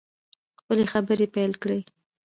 خپلې خبرې پیل کړې.